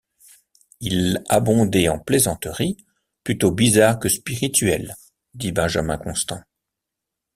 Il abondait en plaisanteries, plutôt bizarres que spirituelles, dit Benjamin Constant.